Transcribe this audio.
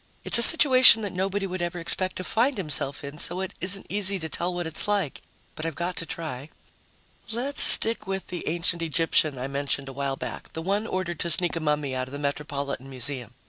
It's a situation that nobody would ever expect to find himself in, so it isn't easy to tell what it's like. But I've got to try. Let's stick with the ancient Egyptian I mentioned a while back, the one ordered to sneak a mummy out of the Metropolitan Museum.